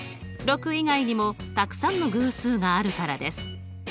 ６以外にもたくさんの偶数があるからです。